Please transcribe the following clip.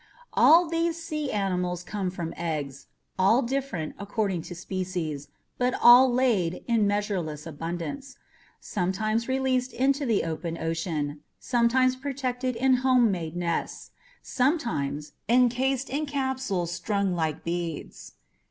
All these sea animals come from eggs, all different according to species, but all laid in measureless abundance sometimes released into the open sea, sometimes protected in homemade nests, sometimes encased in capsules strung like beads.